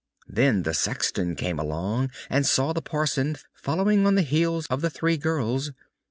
Then the sexton came along, and saw the parson following on the heels of the three girls.